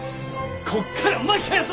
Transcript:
こっから巻き返そ！